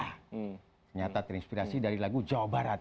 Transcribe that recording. ternyata terinspirasi dari lagu jawa barat